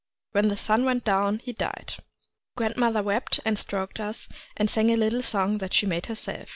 When the sun went down, he died. " Grandmother wept, and stroked us, and NINGYO NO HAKA 129 sang a little song that she made herself.